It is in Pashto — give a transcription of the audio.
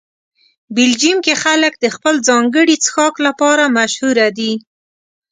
بلجیم کې خلک د خپل ځانګړي څښاک لپاره مشهوره دي.